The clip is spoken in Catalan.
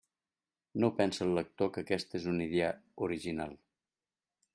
No pense el lector que aquesta és una idea original.